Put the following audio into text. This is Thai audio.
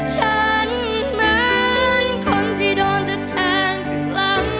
ฉันเหมือนคนที่โดนจะแทงหลัง